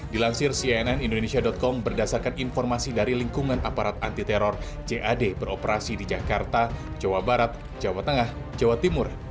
dilansir cnn indonesia com